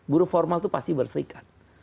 guru formal itu pasti berserikat